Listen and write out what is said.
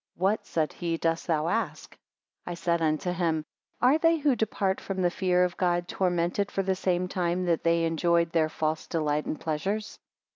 What, said he, dost thou ask? I said unto him; Are they who depart from the fear of God, tormented for the same time that they enjoyed their false delight and pleasures?